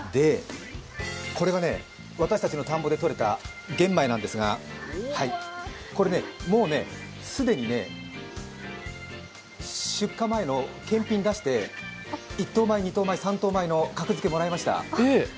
これが私たちの田んぼでとれた玄米なんですがこれね、もう既にね、出荷前の検品に出して１等米、２等米、３等米の格付けもらいました。